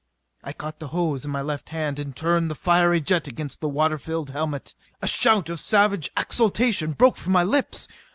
I caught the hose in my left hand and turned the fiery jet against the water filled helmet. A shout of savage exultation broke from my lips.